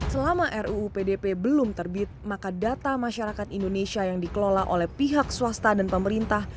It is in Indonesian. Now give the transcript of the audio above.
selama ruu pdp belum terbit maka data masyarakat indonesia yang dikelola oleh pihak swasta dan pemerintah